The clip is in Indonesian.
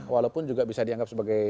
walaupun juga bisa dianggap sebagai